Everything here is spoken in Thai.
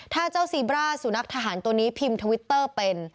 ถ้าเจ้าซีบร่าสุนัขทหารตัวนี้พิมพ์ทวิตเตอร์เป็น